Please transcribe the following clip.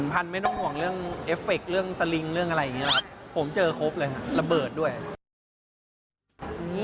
ผมเจอครบเลยครับระเบิดด้วย